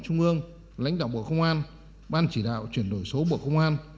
đảng ủy công an lãnh đạo bộ công an ban chỉ đạo chuyển đổi số bộ công an